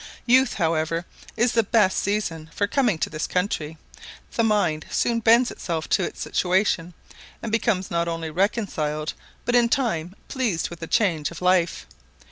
Youth, however, is the best season for coming to this country; the mind soon bends itself to its situation, and becomes not only reconciled, but in time pleased with the change of life.